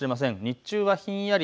日中はひんやり。